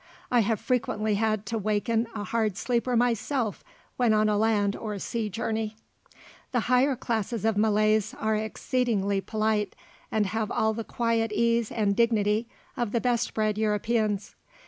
I have frequently had to waken a hard sleeper myself when on a land or sea journey. The higher classes of Malays are exceedingly polite, and have all the quiet ease and dignity of the best bred Europeans.